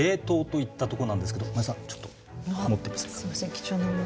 貴重なもの。